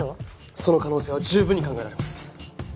その可能性は十分に考えられます。